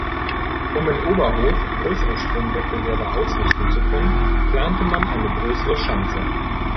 Um in Oberhof größere Sprungwettbewerbe ausrichten zu können, plante man eine größere Schanze.